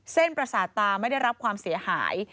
ประสาทตาไม่ได้รับความเสียหาย